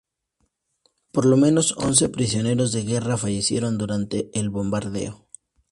Por lo menos once prisioneros de guerra fallecieron durante el bombardeo.